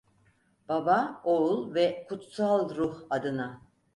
Baba, Oğul ve Kutsal Ruh adına.